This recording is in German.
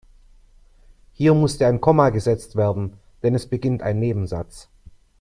Hier musste ein Komma gesetzt werden, denn es beginnt ein Nebensatz.